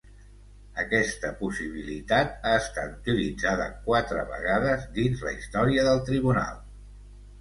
Aquesta possibilitat ha estat utilitzada quatre vegades dins la història del Tribunal.